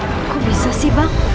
kok bisa sih bang